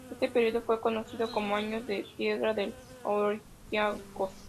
Este período fue conocido como años de piedra del Olympiakos.